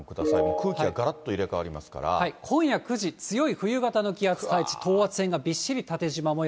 空気ががらっと入れ代わりますか今夜９時、強い冬型の気圧配置、等圧線がびっしり縦じま模様。